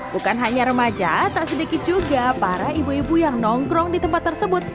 bukan hanya remaja tak sedikit juga para ibu ibu yang nongkrong di tempat tersebut